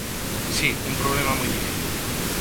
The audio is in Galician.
_Si, un problema moi difícil.